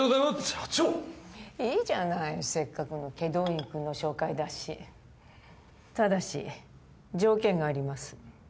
社長いいじゃないせっかくの祁答院くんの紹介だしただし条件があります